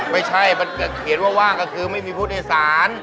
ไม่ใช่มันเขียนว่าว่างก็คือไม่มีผู้โดยสาร